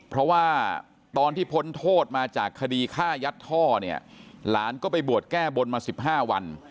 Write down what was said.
เพราะว่าตอนที่พ้นโทษมาจากคดีฆ่ายัดท่อเนี่ยหลานก็ไปบวชแก้บนมา๑๕วัน